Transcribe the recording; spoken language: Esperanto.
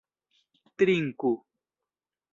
trinku